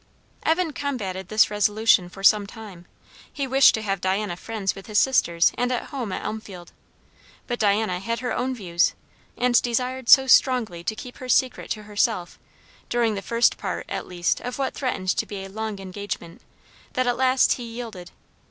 Evan combated this resolution for some time. He wished to have Diana friends with his sisters and at home at Elmfield. But Diana had her own views, and desired so strongly to keep her secret to herself, during the first part at least of what threatened to be a long engagement, that at last he yielded.